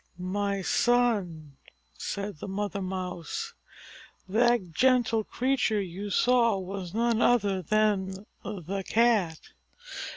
"My son," said the Mother Mouse, "that gentle creature you saw was none other than the Cat.